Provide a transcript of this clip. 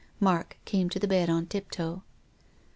Mark came to the bed on tiptoe.